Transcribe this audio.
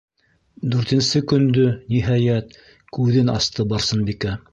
Дүртенсе көндө, ниһәйәт, күҙен асты Барсынбикә.